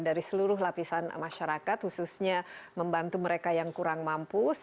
dari seluruh lapisan masyarakat khususnya membantu mereka yang kurang mampu